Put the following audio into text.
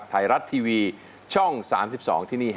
ขอบคุณค่ะ